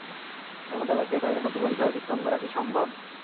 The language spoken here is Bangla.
এমতাবস্থায় তাদের পক্ষে পরিখা অতিক্রম করা কি সম্ভব?